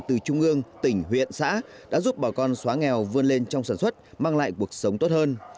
từ trung ương tỉnh huyện xã đã giúp bà con xóa nghèo vươn lên trong sản xuất mang lại cuộc sống tốt hơn